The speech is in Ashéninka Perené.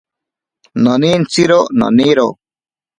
Nonintsiro noniro.